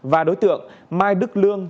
và đối tượng mai đức lương